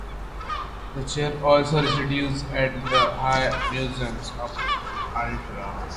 The chair also resides at the High Museum of Art, Atlanta.